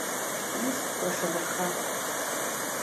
Ист кәашараха!